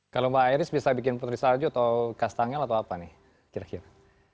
kalau mbak iris bisa bikin putri salju atau kasttangel atau apa nih kira kira